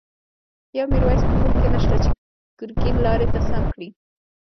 يو” ميرويس ” په موږکی نشته، چی ګر ګين لاری ته سم کړی